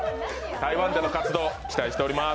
台湾での活動、期待しております。